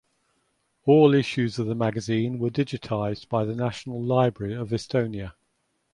All issues of the magazine were digitized by the National Library of Estonia.